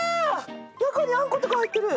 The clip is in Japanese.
中にあんことか入っている！